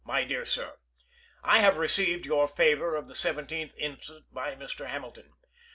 My Dear Sir: I have received your favor of the 17th inst. by Mr. Hamilton.